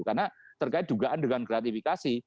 karena terkait dugaan dengan gratifikasi